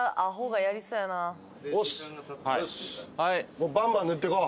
もうバンバン塗ってこう。